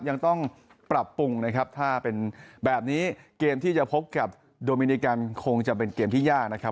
ยังต้องปรับปรุงนะครับถ้าเป็นแบบนี้เกมที่จะพบกับโดมินิกันคงจะเป็นเกมที่ยากนะครับ